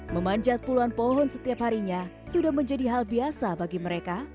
memanjat puluhan pohon setiap harinya sudah menjadi hal biasa bagi mereka